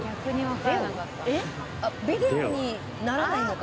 「ビデオ」にならないのか。